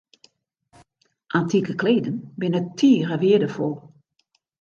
Antike kleden binne tige weardefol.